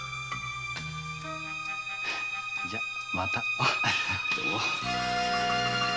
じゃまた。